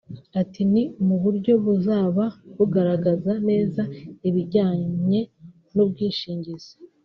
Ati “Ni mu buryo buzaba bugaragaza neza ibijyanye n’ubwishingizi